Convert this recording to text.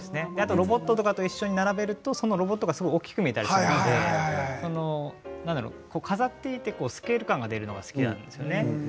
ロボットとかと並べるとそのロボットが大きく見えたりするので飾っていてスケール感が出るのが好きなんですよね。